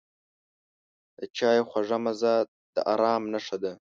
د چای خوږه مزه د آرام نښه ده.